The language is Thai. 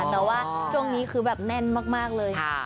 แต่ว่าช่วงนี้คือแบบแน่นมากเลย